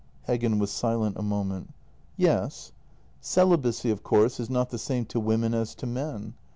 " Heggen was silent a moment. JENNY 181 "Yes. Celibacy, of course, is not the same to women as to men.